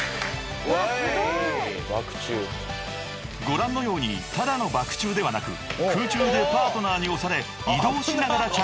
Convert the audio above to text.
［ご覧のようにただのバク宙ではなく空中でパートナーに押され移動しながら着地する大技］